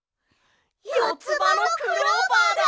よつばのクローバーだ！